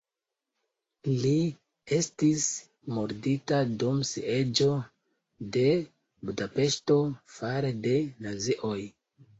Li estis murdita dum sieĝo de Budapeŝto fare de nazioj.